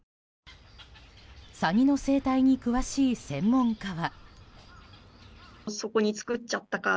サギの生態に詳しい専門家は。